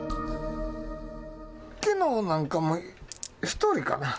きのうなんかも１人かな。